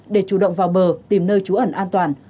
để chủ động vào bờ tìm nơi trú ẩn an toàn